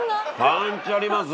パンチあります。